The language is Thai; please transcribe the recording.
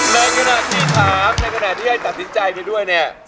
ในขณะที่ถามในขณะที่ให้ตัดสินใจไปด้วยเนี่ย